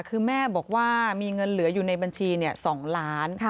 คือแม่บอกว่ามีเงินเหลืออยู่ในบัญชี๒ล้าน